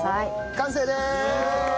完成です！